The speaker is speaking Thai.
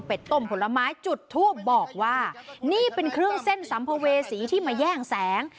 เป็นต้มผลไม้จุดทูบบอกว่านี่เป็นเครื่องเส้นสัมภเวษีที่มาแย่งแสง